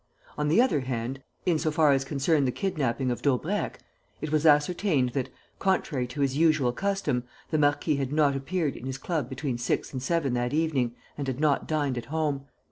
On the other hand, in so far as concerned the kidnapping of Daubrecq, it was ascertained that, contrary to his usual custom, the marquis had not appeared in his club between six and seven that evening and had not dined at home.